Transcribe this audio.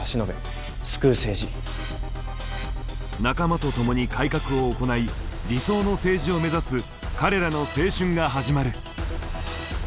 仲間と共に改革を行い理想の政治を目指す彼らの青春が始まる。